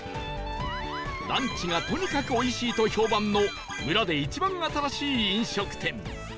ランチがとにかくおいしいと評判の村で一番新しい飲食店